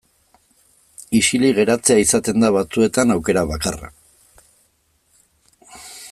Isilik geratzea izaten da batzuetan aukera bakarra.